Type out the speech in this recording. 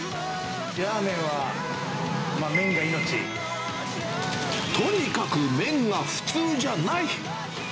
ラーメンは、とにかく麺が普通じゃない。